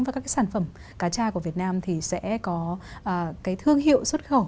và các cái sản phẩm cá cha của việt nam thì sẽ có cái thương hiệu xuất khẩu